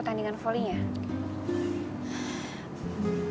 kalau abis ini